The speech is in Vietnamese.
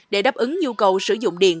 để đáp ứng nhu cầu sử dụng điện